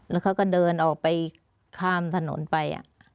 แล้วเขาก็เดินออกไปข้ามถนนไป